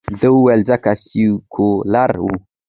ده ویل، ځکه سیکولر ؤ.